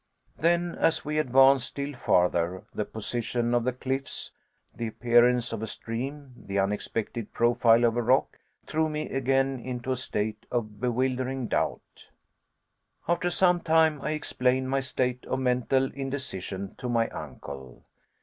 Then, as we advanced still farther, the position of the cliffs, the appearance of a stream, the unexpected profile of a rock, threw me again into a state of bewildering doubt. After some time, I explained my state of mental indecision to my uncle.